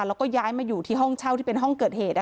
แล้วก็ย้ายมาอยู่ที่ห้องเช่าที่เป็นห้องเกิดเหตุ